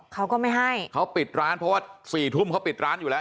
เขาก็ไม่ให้เขาปิดร้านเพราะว่าสี่ทุ่มเขาปิดร้านอยู่แล้ว